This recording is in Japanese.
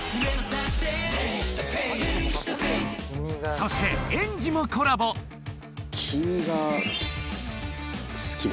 そして演技もコラボ君が好きだ。